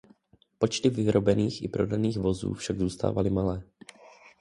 Počty vyrobených i prodaných vozů však zůstávaly malé.